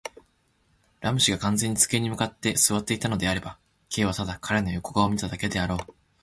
ラム氏が完全に机に向って坐っていたのであれば、Ｋ はただ彼の横顔を見ただけであろう。